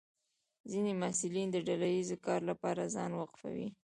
ځینې محصلین د ډله ییز کار لپاره ځان وقفوي.